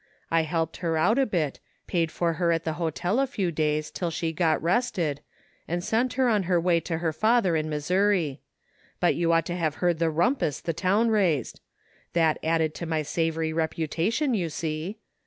I helped her out a bit, paid for her at the hotel a few days till she got rested, and sent her on her way to her father in Missouri; but you ought to have heard the rumpus the town raised! That added to my savory reputation, you see.